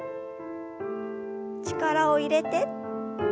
力を入れて。